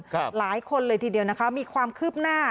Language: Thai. หลายคนเลยทีเดียวนะคะมีความคืบหน้า